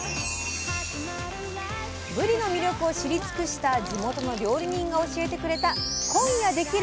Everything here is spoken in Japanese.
ぶりの魅力を知り尽くした地元の料理人が教えてくれた今夜できる！